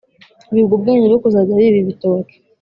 biga ubwenge bwo kuzajya biba ibitoki